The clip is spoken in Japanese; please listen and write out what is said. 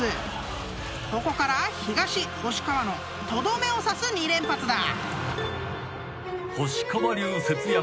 ［ここから東星川のとどめを刺す２連発だ！］